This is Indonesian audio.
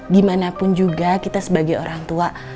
gimanapun juga kita sebagai orang tua